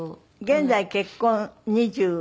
現在結婚２８年？